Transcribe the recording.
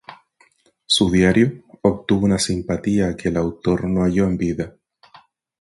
Su "Diario" obtuvo una simpatía que el autor no halló en vida.